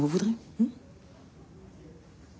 うん？